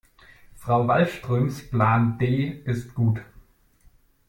Frau Wallströms Plan D ist gut.